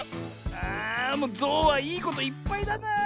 あもうゾウはいいこといっぱいだな。